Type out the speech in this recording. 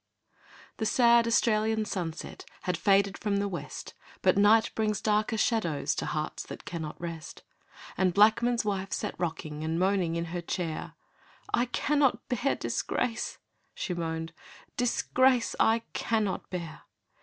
..... The sad Australian sunset Had faded from the west; But night brings darker shadows To hearts that cannot rest; And Blackman's wife sat rocking And moaning in her chair. 'I cannot bear disgrace,' she moaned; 'Disgrace I cannot bear.